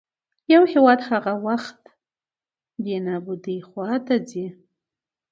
يـو هېـواد هـغه وخـت دې نـابـودۍ خـواتـه ځـي.